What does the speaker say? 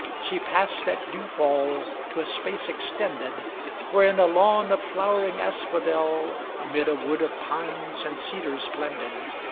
She passed at dewfall to a space extended. Where, in a lawn of flowering asphodel Amid a wood of pines and cedars blended.